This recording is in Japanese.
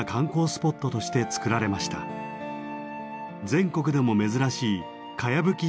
全国でも珍しいかやぶき